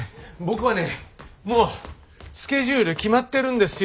僕はねもうスケジュール決まってるんですよ